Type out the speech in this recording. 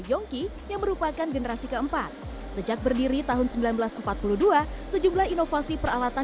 yongki yang merupakan generasi keempat sejak berdiri tahun seribu sembilan ratus empat puluh dua sejumlah inovasi peralatan